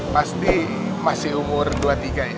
pasti masih umur dua puluh tiga ya